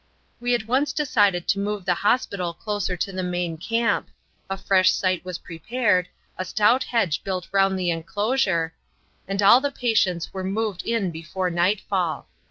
We at once decided to move the hospital closer to the main camp; a fresh site was prepared, a stout hedge built round the enclosure, and all the patients were moved in before nightfall.